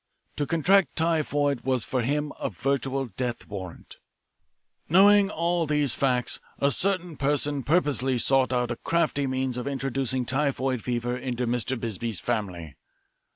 To contract typhoid was for him a virtual death warrant. Knowing all these facts, a certain person purposely sought out a crafty means of introducing typhoid fever into Mr. Bisbee's family.